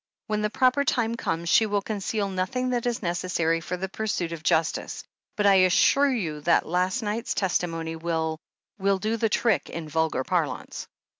When the proper time comes, she will conceal nothing that is necessary for the pursuit of justice — but I assure you that last night's testimony will — ^will do the tridc, in vulgar parlance.